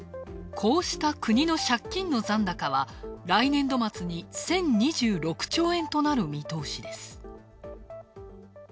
こうした国の借金の残高は来年度末に１０２６兆円となる見通しです。